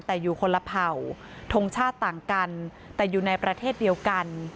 แต่อยู่คนละเผ่าทงชาติต่างกันแต่อยู่ในประเทศเดียวกัน